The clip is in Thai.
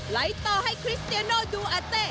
ไล่ต่อให้คริสเตียโน่ดูอาเจ๊